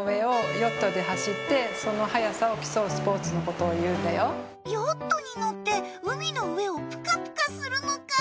ヨットに乗って海の上をプカプカするのか。